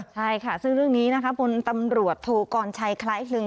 ใช่ค่ะซึ่งเรื่องนี้นะคะพลตำรวจโทกรชัยคล้ายคลึง